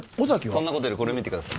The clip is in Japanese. そんなことよりこれ見てください